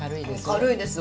軽いです